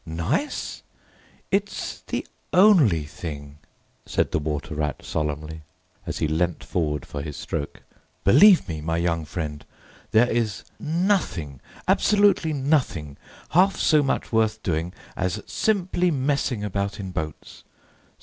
"Nice? It's the only thing," said the Water Rat solemnly, as he leant forward for his stroke. "Believe me, my young friend, there is nothing—absolute nothing—half so much worth doing as simply messing about in boats.